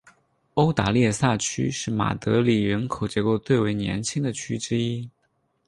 欧达列萨区是马德里人口结构最为年轻的区之一。